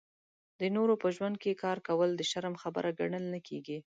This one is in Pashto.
د نورو په ژوند کې کار کول د شرم خبره ګڼل نه کېږي.